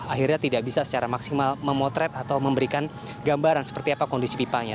akhirnya tidak bisa secara maksimal memotret atau memberikan gambaran seperti apa kondisi pipanya